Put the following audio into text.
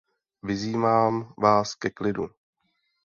Vyzývám vás ke klidu.